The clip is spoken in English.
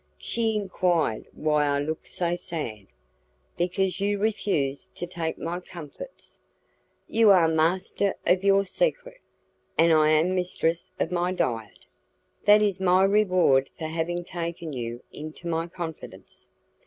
She enquired why I looked so sad. "Because you refuse to take my comfits." "You are master of your secret, and I am mistress of my diet." "That is my reward for having taken you into my confidence."